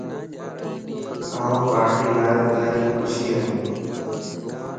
آن پار ٽيءَ لا الائي خوشي ائين